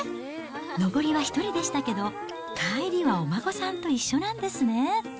上りは１人でしたけど、帰りはお孫さんと一緒なんですね。